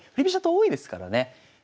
飛車党多いですからね